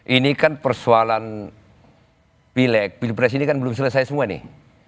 ini kan persoalan pilek pilpres ini kan belum selesai semua nih